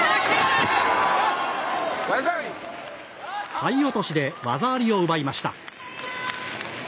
体落としで技ありを奪いました。